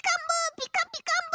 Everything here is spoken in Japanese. ピカピカブ！